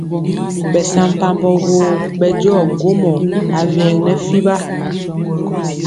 Ɓɛsampabɔ woo ɓɛ jɔ gwomɔ awyɛŋ nɛ fiɓa.